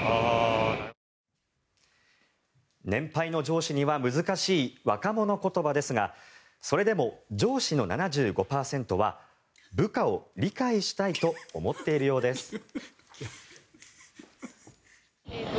年配の上司には難しい若者言葉ですがそれでも上司の７５％は部下を理解したいと思っているようです。